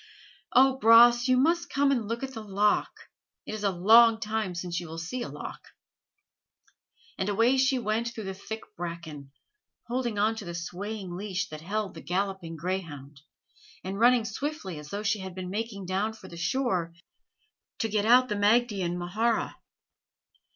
"O, Bras, you must come and look at the loch. It is a long time since you will see a loch." And away she went through the thick bracken, holding on to the swaying leash that held the galloping greyhound, and running swiftly as though she had been making down for the shore to get out the Maighdean mhara.